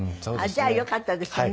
じゃあよかったですね。